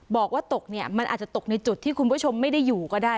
บอกว่าตกเนี่ยมันอาจจะตกในจุดที่คุณผู้ชมไม่ได้อยู่ก็ได้